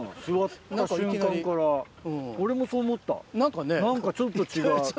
俺もそう思った何かちょっと違う。